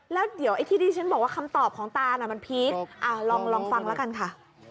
แล้วเดี๋ยวทีนี้ฉันบอกว่าคำตอบของตาคือเพจอ้าลองฟังแล้วกันค่ะ